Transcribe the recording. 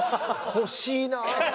欲しいな。